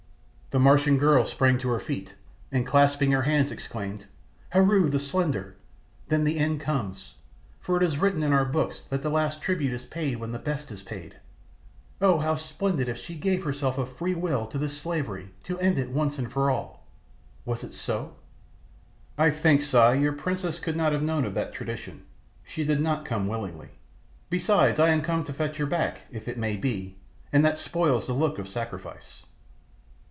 The Martian girl sprang to her feet, and clasping her hands exclaimed, "Heru, the Slender! Then the end comes, for it is written in our books that the last tribute is paid when the best is paid. Oh, how splendid if she gave herself of free will to this slavery to end it once for all. Was it so?" "I think, Si, your princess could not have known of that tradition; she did not come willingly. Besides, I am come to fetch her back, if it may be, and that spoils the look of sacrifice."